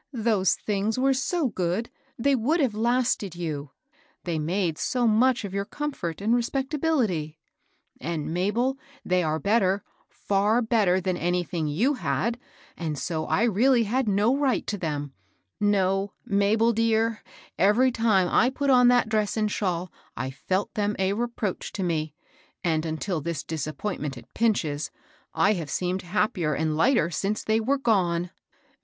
Those things were so good! they would have lasted you, — they made so much of your comfort and respectability." " And, Mabel, they were better, far better than anything yow had, and so I really had no right to. them. No, Mabel dear, eve^ tim^ I put on that dress and shawl I felt them a reproach to me, and, until this (Usappointment at Pinch's, I haye seemed MR. PINCH AND COMPANY. 367 happier and lighter since they were gone.